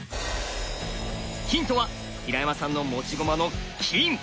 ヒントは平山さんの持ち駒の金！